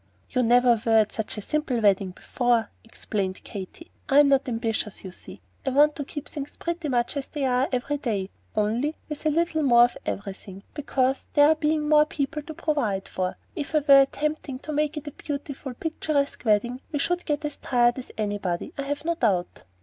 "You never were at such a simple wedding before," explained Katy. "I'm not ambitious, you see. I want to keep things pretty much as they are every day, only with a little more of everything because of there being more people to provide for. If I were attempting to make it a beautiful, picturesque wedding, we should get as tired as anybody, I have no doubt."